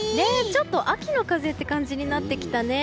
ちょっと秋の風って感じになってきたね。